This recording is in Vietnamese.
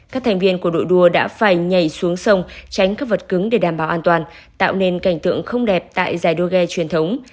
các thành viên của đội đua đã phải nhảy xuống sông tránh các vật cứng để đảm bảo an toàn tạo nên cảnh tượng không đẹp tại giải đua ghe truyền thống